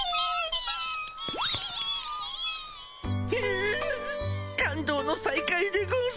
うう感動の再会でゴンス。